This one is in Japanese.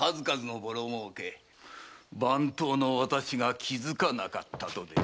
番頭の私が気付かなかったとでも？